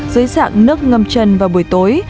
dưới dạng nước ngâm chân vào buổi tối